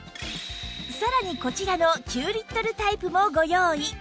さらにこちらの９リットルタイプもご用意！